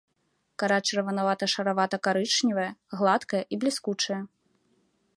Кара чырванавата-шаравата-карычневая, гладкая і бліскучая.